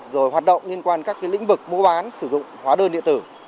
rồi hoạt động liên quan các lĩnh vực mua bán sử dụng hóa đơn điện tử